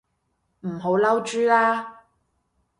唔好嬲豬啦